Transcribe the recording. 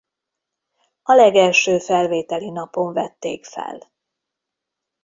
A legelső felvételi napon vették fel.